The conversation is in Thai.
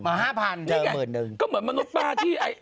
ก็เหมือนมนุษย์ป้าที่